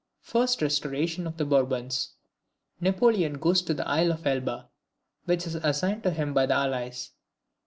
First restoration of the Bourbons. Napoleon goes to the isle of Elba, which is assigned to him by the Allies.